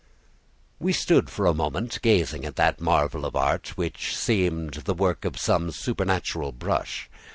We stood for a moment gazing at that marvel of art, which seemed the work of some supernatural brush.